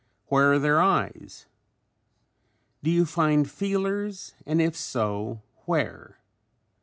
Where are their eyes? Do you find feelers and if so where?